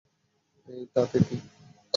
এই, তাতে কী?